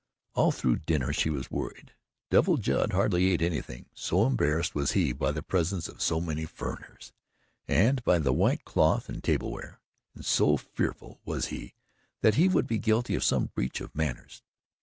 All through dinner she was worried. Devil Judd hardly ate anything, so embarrassed was he by the presence of so many "furriners" and by the white cloth and table ware, and so fearful was he that he would be guilty of some breach of manners.